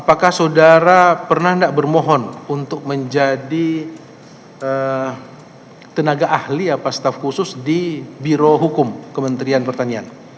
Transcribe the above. apakah saudara pernah tidak bermohon untuk menjadi tenaga ahli apa staf khusus di biro hukum kementerian pertanian